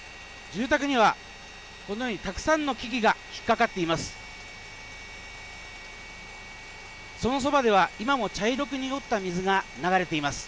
住宅にはこのようにたくさんの木々が引っ掛かっています。